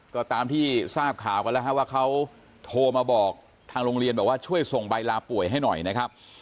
ก็ตามที่ทราบข่าวกันแล้วฮะว่าเขาโทรมาบอกทางโรงเรียนบอกว่าช่วยส่งใบลาป่วยให้หน่อยนะครับ